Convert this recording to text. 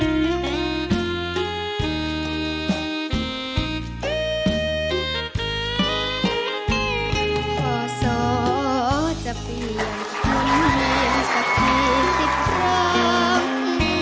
พ่อสอจะเปลี่ยนคนเดียงสักทีสิบครั้ง